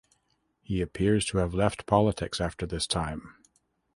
He appears to have left politics after this time.